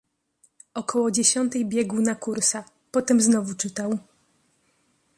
"Około dziesiątej biegł na kursa, potem znowu czytał."